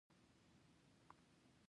پر کټ له کښېنستو سره به مې بدن یخ یخ شو.